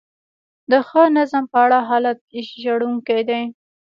د ښه نظم په اړه حالت ژړونکی دی.